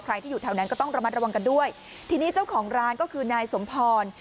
ที่อยู่แถวนั้นก็ต้องระมัดระวังกันด้วยทีนี้เจ้าของร้านก็คือนายสมพร